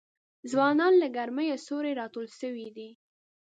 ځوانان له ګرمیه سیوري ته راټول سوي وه